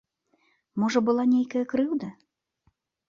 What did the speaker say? Можа, была нейкая крыўда?